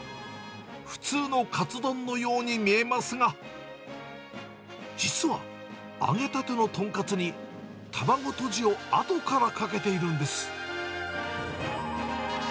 普通のカツ丼のように見えますが、実は、揚げたての豚カツに、卵とじを後からかけているんです。